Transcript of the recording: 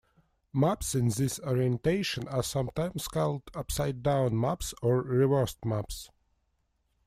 Maps in this orientation are sometimes called upside down maps or reversed maps.